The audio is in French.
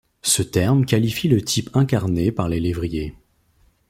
Ce terme qualifie le type incarné par les lévriers.